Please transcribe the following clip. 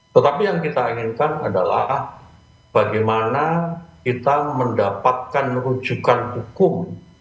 tetapi yang kita inginkan adalah bagaimana kita mendapatkan rujukan hukum